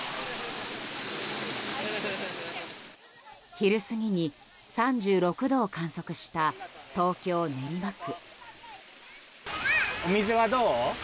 昼過ぎに３６度を観測した東京・練馬区。